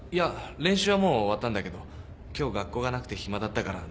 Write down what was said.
練習はもう終わったんだけど今日学校がなくて暇だったから。